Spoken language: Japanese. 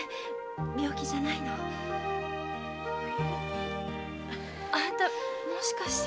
病気じゃないの。あんたもしかして。